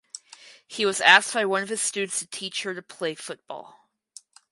He was asked by one of his students to teach her to play football.